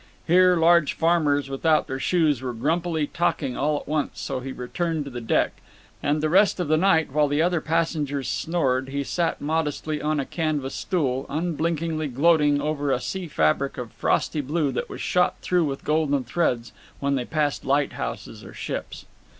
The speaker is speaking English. Here large farmers without their shoes were grumpily talking all at once, so he returned to the deck; and the rest of the night, while the other passengers snored, he sat modestly on a canvas stool, unblinkingly gloating over a sea fabric of frosty blue that was shot through with golden threads when they passed lighthouses or ships.